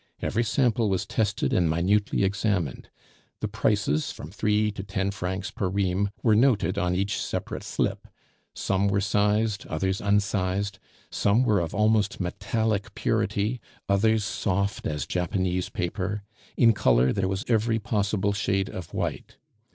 Every sample was tested and minutely examined; the prices, from three to ten francs per ream, were noted on each separate slip; some were sized, others unsized; some were of almost metallic purity, others soft as Japanese paper; in color there was every possible shade of white.